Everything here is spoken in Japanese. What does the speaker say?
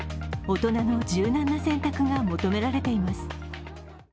大人の柔軟な選択が求められています。